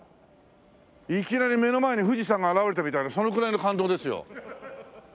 いきなり目の前に富士山が現れたみたいなそのくらいの感動ですよ。